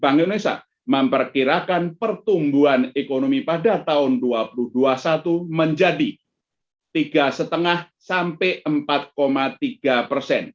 bank indonesia memperkirakan pertumbuhan ekonomi pada tahun dua ribu dua puluh satu menjadi tiga lima sampai empat tiga persen